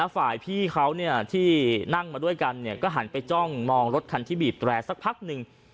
พี่เขาที่นั่งมาด้วยกันก็หันไปจ้องมองรถคันที่บีบแตรสักพักหนึ่ง